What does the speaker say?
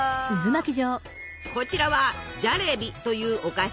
こちらは「ジャレビ」というお菓子。